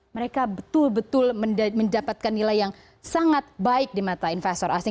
mereka betul betul mendapatkan nilai yang sangat baik di mata investor asing